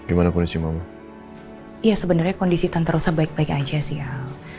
iya sebenernya kondisi tante rosa baik baik aja sih al